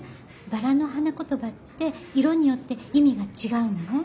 バラの花言葉って色によって意味が違うのね。